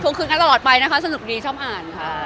คืนกันตลอดไปนะคะสนุกดีชอบอ่านค่ะ